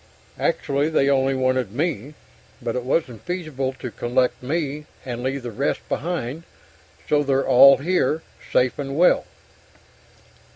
Actually, they only wanted me, but it wasn't feasible to collect me and leave the rest behind, so they're all here, safe and well.